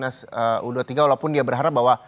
nas u dua puluh tiga walaupun dia berharap bahwa